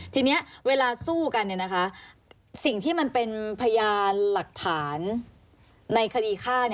ทีนี้เวลาสู้กันสิ่งที่มันเป็นพยานหลักฐานในคดีฆ่า